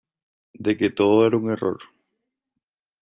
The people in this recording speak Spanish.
de que todo era un error.